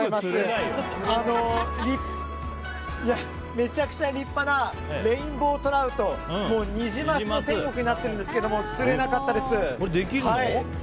めちゃくちゃ立派なレインボートラウトニジマスの天国になっているんですけどもできるの？